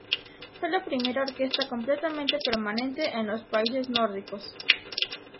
Fue la primera orquesta completa permanente en los países nórdicos.